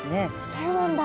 そうなんだ。